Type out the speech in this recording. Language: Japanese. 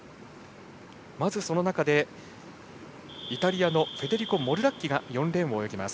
まず、その中でイタリアのフェデリコ・モルラッキが４レーンを泳ぎます。